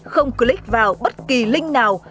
không click vào bất kỳ link nào